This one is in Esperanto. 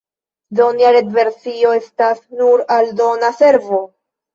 Do nia retversio estas nur aldona servo.